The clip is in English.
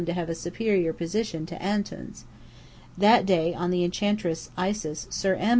to have a superior position to Antoun's. That day on the Enchantress Isis Sir M.